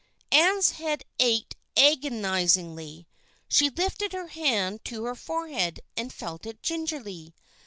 Ann's head ached agonizingly. She lifted her hand to her forehead, and felt it gingerly.